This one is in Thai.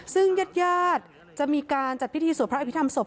ซึ่งญาติญาติจะมีการจัดพิธีสวดพระอภิษฐรรศพ